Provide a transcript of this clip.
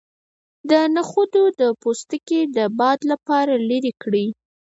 د نخود پوستکی د باد لپاره لرې کړئ